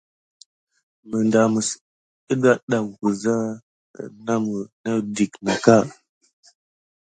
Məndamsa keda wuda nameta nat widinaka.